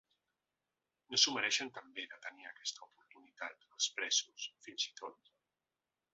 No s’ho mereixen també, de tenir aquesta oportunitat, els presos, fins i tot?